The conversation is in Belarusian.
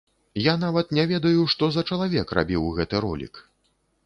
Я нават не ведаю, што за чалавек рабіў гэты ролік.